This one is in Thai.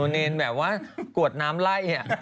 เนรแบบว่ากวดน้ำไล่